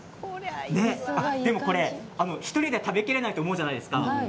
でも、これ１人で食べきれないと思うじゃないですか。